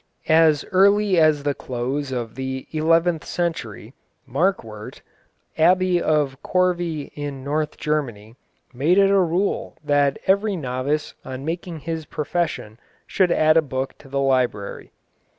As early as the close of the eleventh century Marchwart, Abbot of Corvey in North Germany, made it a rule that every novice on making his profession should add a book to the library.